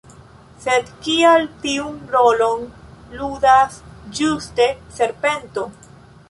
Sed kial tiun rolon ludas ĝuste serpento?